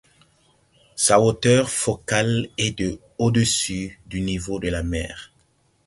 Sa hauteur focale est de au-dessus du niveau de la mer.